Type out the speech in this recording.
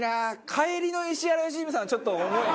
帰りの石原良純さんはちょっと重いな。